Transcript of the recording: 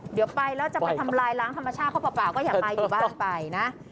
เดี๋ยวไปแล้วจะไปทำลายล้างธรรมชาติเขาเปล่าก็อย่าไปอยู่บ้านไปนะ